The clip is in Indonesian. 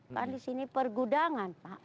kan di sini pergudangan pak